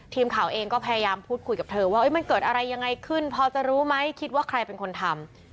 ทีมข่าวเองก็พยายามพูดคุยกับเธอว่ามันเกิดอะไรยังไงขึ้นพอจะรู้ไหมคิดว่าใครเป็นคนทำ